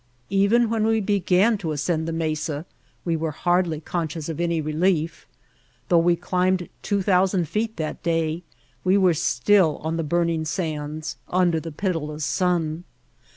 Even when we began to ascend the mesa we were hardly con scious of any relief. Though we climbed two thousand feet that day we were still on the burn ing sands under the pitiless sun.